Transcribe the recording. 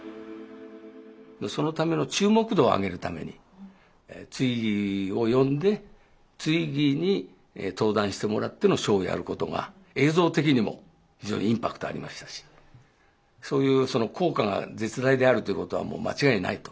そのための注目度を上げるためにツイッギーを呼んでツイッギーに登壇してもらってのショーをやることが映像的にも非常にインパクトありましたしそういう効果が絶大であるということはもう間違いないと。